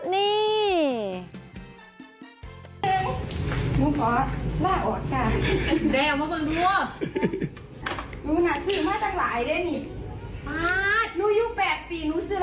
นี่